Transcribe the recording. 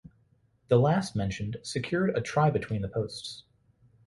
The last-mentioned secured a try between the posts.